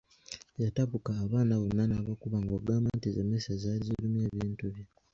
Yatabuka abaana bonna n’abakuba ng’ogamba nti z’emmesse ezaali zirumye ebintu bye.